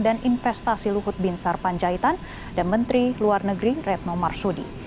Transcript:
dan investasi luhut bin sarpanjaitan dan menteri luar negeri retno marsudi